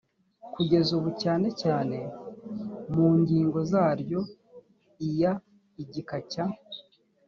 kugeza ubu cyane cyane mu ngingo zaryo iya igika cya